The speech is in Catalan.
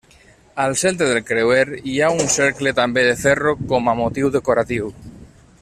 Al centre del creuer hi ha un cercle també de ferro com a motiu decoratiu.